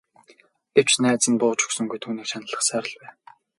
Гэвч найз нь бууж өгсөнгүй түүнийг шаналгасаар л байв.